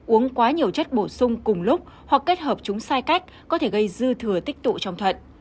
uống quá nhiều chất bổ sung cùng lúc hoặc kết hợp chúng sai cách có thể gây dư thừa tích tụ trong thận